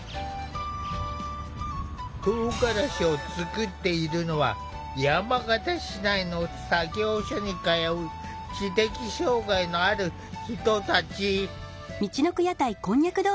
とうがらしを作っているのは山形市内の作業所に通う知的障害のある人たち。